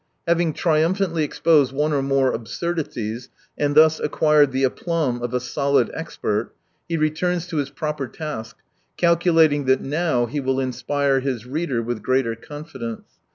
Having triumphantly exposed one or more absurdities, and thus acquired the aplomb of a solid expert, he returns to his proper task, calculating that now he will inspire his reader with greater confidence.